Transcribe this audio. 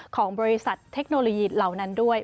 ของบริษัทเทคโนโลยีเหล่านั้นด้วย